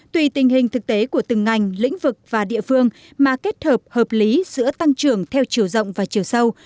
tùy tình hình thực tế của từng ngành lĩnh vực và địa phương mà kết hợp hợp lý giữa tăng trưởng theo chiều rộng và chiều sâu